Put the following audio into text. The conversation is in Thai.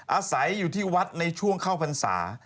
อาศัยอยู่ที่วัดในช่วงเข้าพรรษา